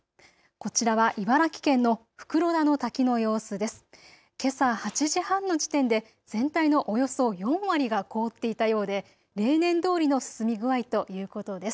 こちらは茨城県の袋田の滝の様子です。